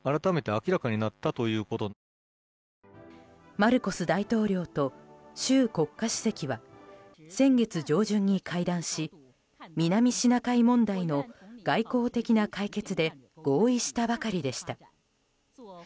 マルコス大統領と習国家主席は先月上旬に会談し南シナ海問題の外交的な解決で合意したばかりでした。